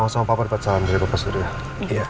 mama sama papa dapat salam dari bapak surya